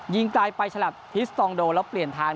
ไกลไปฉลับฮิสตองโดแล้วเปลี่ยนทาง